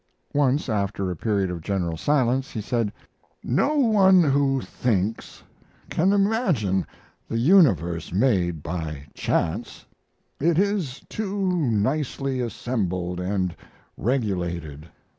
Once, after a period of general silence, he said: "No one who thinks can imagine the universe made by chance. It is too nicely assembled and regulated.